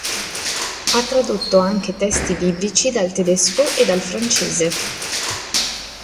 Ha tradotto anche testi biblici dal tedesco e dal francese.